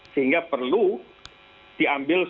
sehingga perlu diambil sebuah